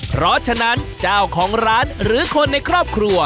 เพราะฉะนั้นเจ้าของร้านหรือคนในครอบครัว